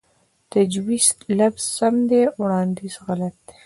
تجويز لفظ سم دے وړانديز غلط دے